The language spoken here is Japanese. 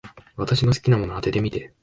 私の好きなもの、当ててみて。